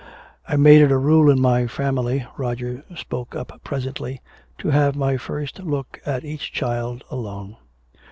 "I made it a rule in my family," Roger spoke up presently, "to have my first look at each child alone."